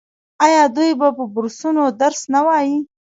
آیا دوی په بورسونو درس نه وايي؟